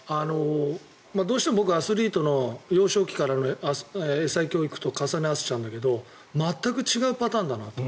どうしても僕アスリートの幼少期からの英才教育と重ねちゃうんだけど全く違うパターンだなと。